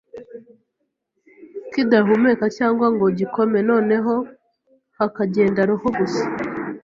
kidahumeka cyangwa ngo gikome noneho hakagenda roho gusa